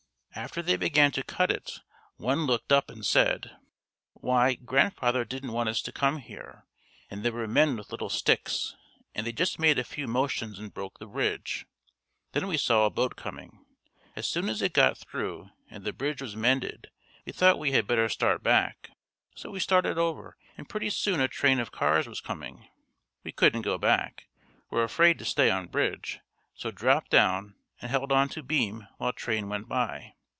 After they began to cut it one looked up and said, 'Why grandfather didn't want us to come here,' and there were men with little sticks and they just made a few motions and broke the bridge. Then we saw a boat coming. As soon as it got through and the bridge was mended we thought we had better start back, so we started over and pretty soon a train of cars was coming. We couldn't go back, were afraid to stay on bridge, so dropped down and held on to beam while train went by.